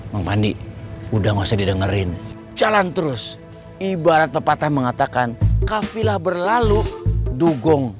mang pandi udah nggak usah didengerin jalan terus ibarat pepatah mengatakan kafilah berlalu dugong